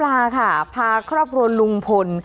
ลุงพลอ่ะเหลือหรอ